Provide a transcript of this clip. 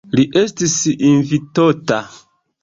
Li estis invitota.